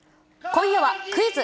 今夜は、クイズ！